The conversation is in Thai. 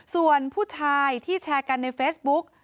ส่วนผู้ชายที่แชร์กันในเฟซบุ๊ก